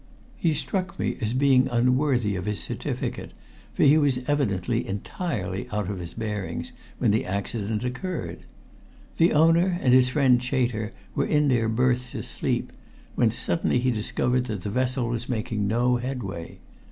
He struck me as being unworthy his certificate, for he was evidently entirely out of his bearings when the accident occurred. The owner and his friend Chater were in their berths asleep, when suddenly he discovered that the vessel was making no headway.